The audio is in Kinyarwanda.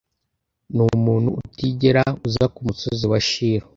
numuntu utigera uza kumusozi wa shilo